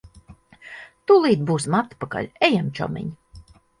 Tūlīt būsim atpakaļ. Ejam, čomiņ.